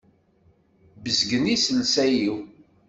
Bezgen yiselsa-iw.